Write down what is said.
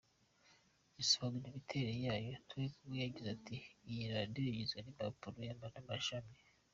Asobanura imiterere yayo, Turikumwe yagize ati “Iyi Radiyo igizwe n’impapuro n’amashashi.